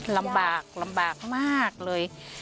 ลำบากลำบากมากเลย